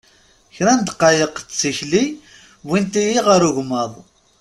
Kra n ddqayeq d tikli wwint-iyi ɣer ugemmaḍ.